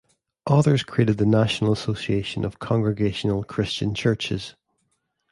Others created the National Association of Congregational Christian Churches.